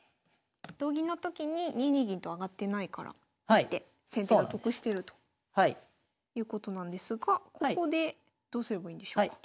同銀の時に２二銀と上がってないから１手先手が得してるということなんですがここでどうすればいいんでしょうか。